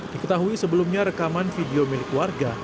diketahui sebelumnya rekaman video milik warga